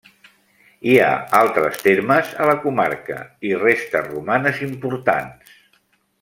Hi ha altres termes a la comarca i restes romanes importants.